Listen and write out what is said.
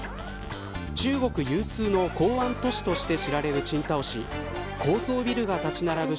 中国有数の港湾都市として知られる青島市高層ビルが立ち並ぶ